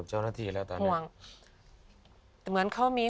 เหมือนเขามี